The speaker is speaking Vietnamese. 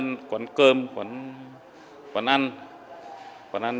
trong thời gian qua hay không